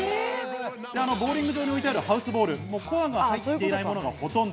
ボウリング場に置いてあるハウスボール、コアが入っていないものがほとんど。